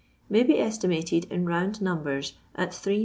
may be estimated in round numbers at 3,000,000